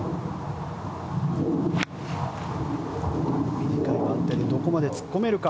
短い番手でどこまで突っ込めるか。